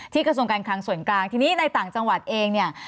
กระทรวงการคลังส่วนกลางทีนี้ในต่างจังหวัดเองเนี่ย